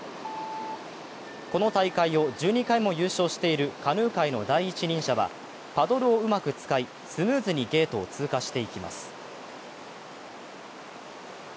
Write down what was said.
この大会を１２回も優勝しているカヌー界の第一人者はパドルをうまく使い、スムーズにゲートを通過していきます。